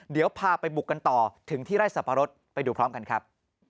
เดี๋ยวพาไปบุกกันต่อถึงที่ไร่สับปะรดไปดูพร้อมกันครับ